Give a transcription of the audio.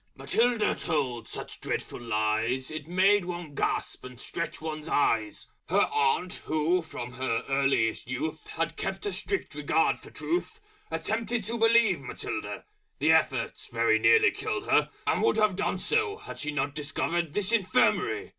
_ Matilda told such Dreadful Lies, It made one Gasp and Stretch one's Eyes; Her Aunt, who, from her Earliest Youth, Had kept a Strict Regard for Truth, Attempted to Believe Matilda: The effort very nearly killed her, And would have done so, had not She Discovered this Infirmity.